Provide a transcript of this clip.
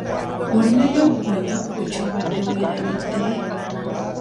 Olinayo gwe nga gwe ky'obadde weerabidde?